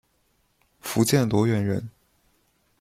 福建罗源人。